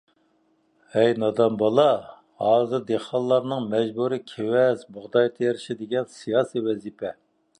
ھەي نادان بالا، ھازىر دېھقانلارنىڭ مەجبۇرىي كېۋەز، بۇغداي تېرىشى دېگەن سىياسىي ۋەزىپە.